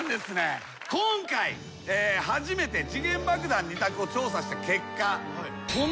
今回初めて時限爆弾二択を調査した結果。